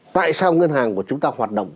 tại sao ngân hàng của chúng ta hoạt động